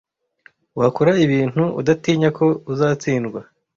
Wakora ibintu udatinya ko uzatsindwa,